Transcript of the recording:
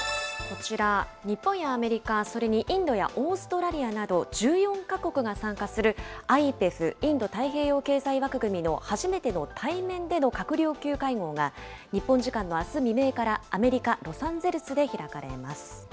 こちら、日本やアメリカ、それにインドやオーストラリアなど、１４か国が参加する、ＩＰＥＦ・インド太平洋経済枠組みの初めての対面での閣僚級会合が、日本時間のあす未明からアメリカ・ロサンゼルスで開かれます。